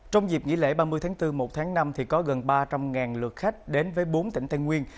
trong dịp nghỉ lễ ba mươi tháng bốn một tháng năm có gần ba trăm linh lượt khách đến với bốn tỉnh tây nguyên